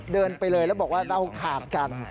เดินไปเลยแล้วบอกว่าเราขาดกัน